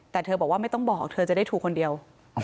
แต่เธอบอกว่าไม่ต้องบอกเธอจะได้ถูกคนเดียว